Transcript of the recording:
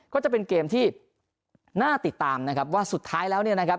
ก็จะเป็นเกมที่น่าติดตามนะครับว่าสุดท้ายแล้วเนี่ยนะครับ